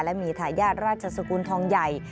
และมีทายาทราชสกุลทองใหญ่